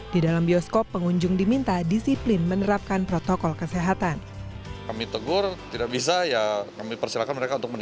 di dalam bioskop pengunjung diminta disiplin menerapkan protokol kesehatan